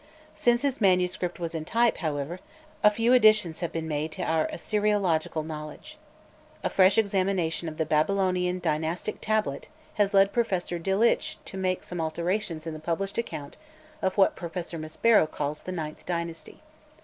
Since his manuscript was in type, however, a few additions have been made to our Assyriological knowledge. A fresh examination of the Babylonian dynastic tablet has led Professor Delitzsch to make some alterations in the published account of what Professor Maspero calls the ninth dynasty.